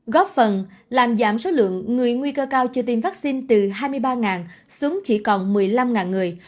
góp phần làm giảm số lượng người nguy cơ cao chưa tiêm vaccine từ hai mươi ba xuống chỉ còn một mươi năm người